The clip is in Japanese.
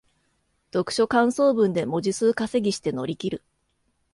読書感想文で文字数稼ぎして乗り切る